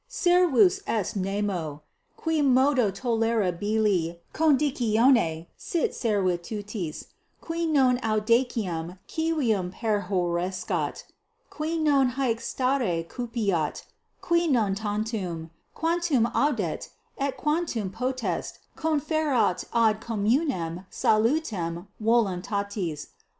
Servus est nemo, qui modo tolerabili condicione sit servitutis, qui non audaciam civium perhorrescat, qui non haec stare cupiat, qui non tantum, quantum audet et quantum potest, conferat ad communem salutem voluntatis.